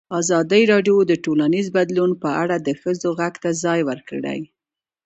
ازادي راډیو د ټولنیز بدلون په اړه د ښځو غږ ته ځای ورکړی.